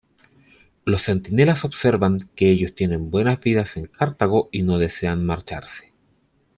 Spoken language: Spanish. Los centinelas observan que ellos tienen buenas vidas en Cartago y no desean marcharse.